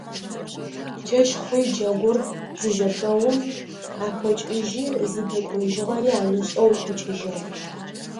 Чэщ хъуи джэгур зызэпэум ахэкӏыжьи зыдэкӏожьыгъэри амышӏэу ӏукӏыжьыгъ.